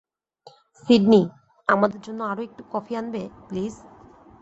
Sydney, আমাদের জন্য আরও একটু কফি আনবে, প্লিজ?